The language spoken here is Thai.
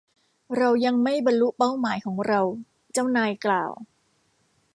เรายังไม่บรรลุเป้าหมายของเราเจ้านายกล่าว